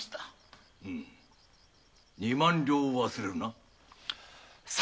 二万両を忘れるなよ。